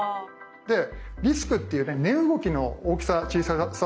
でリスクっていう値動きの大きさ小ささというのはね